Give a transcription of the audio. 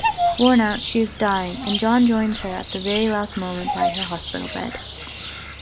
Worn out, she is dying and John joins her at the very last moment by her hospital bed.